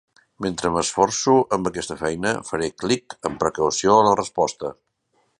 Mentre m'esforço amb aquesta feina, faré clic amb precaució a la resposta!